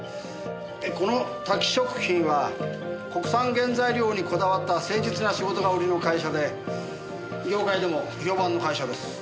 このタキ食品は国産原材料にこだわった誠実な仕事が売りの会社で業界でも評判の会社です。